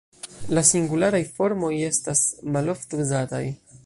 La singularaj formoj estas malofte uzataj.